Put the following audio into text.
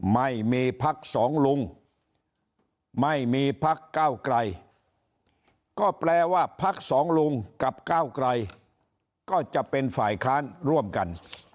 ไม่มีพักสองลุงไม่มีพักเก้าไกลก็แปลว่าพักสองลุงกับก้าวไกลก็จะเป็นฝ่ายค้านร่วมกัน